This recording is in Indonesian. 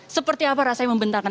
seperti apa rasanya membentangkan